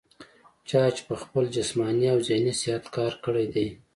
چا چې پۀ خپل جسماني او ذهني صحت کار کړے دے